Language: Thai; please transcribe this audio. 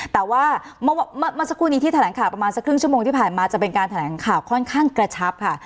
แต่ว่าเมื่อสักครู่นี้ที่แถลงข่าวประมาณสักครึ่งชั่วโมงที่ผ่านมาจะเป็นการแถลงข่าวค่อนข้างกระชับค่ะ